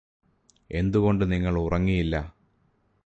എന്തുകൊണ്ട് നിങ്ങള് ഉറങ്ങിയില്ല